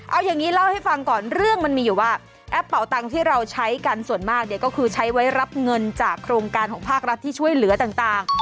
เอาอย่างนี้เล่าให้ฟังก่อนเรื่องมันมีอยู่ว่าแอปเป่าตังค์ที่เราใช้กันส่วนมากเนี่ยก็คือใช้ไว้รับเงินจากโครงการของภาครัฐที่ช่วยเหลือต่าง